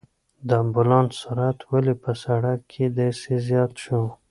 د امبولانس سرعت ولې په سړک کې داسې زیات شو؟